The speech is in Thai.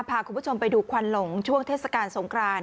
พาคุณผู้ชมไปดูควันหลงช่วงเทศกาลสงคราน